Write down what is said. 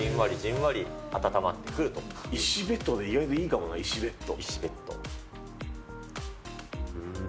結構じんわり、石ベッド意外といいかもな、石ベッド。